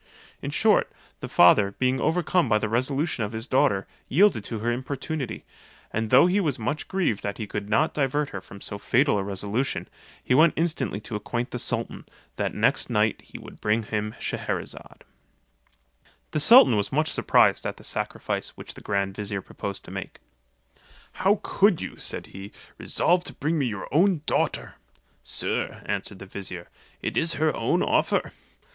In short, the father, being overcome by the resolution of his daughter, yielded to her importunity, and though he was much grieved that he could not divert her from so fatal a resolution, he went instantly to acquaint the sultan, that next night he would bring him Scheherazade. The sultan was much surprized at the sacrifice which the grand vizier proposed to make. "How could you", said he, "resolve to bring me your own daughter?" "Sir," answered the vizier, "it is her own offer.